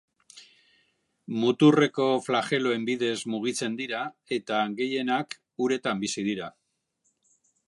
Muturreko flageloen bidez mugitzen dira eta gehienak uretan bizi dira.